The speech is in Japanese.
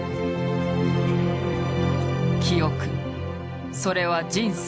記憶それは人生。